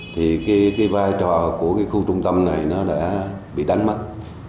thì cái vai trò của cái khu trung tâm này nó đã bị đánh mất